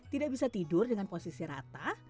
tidak bisa tidur dengan posisi rata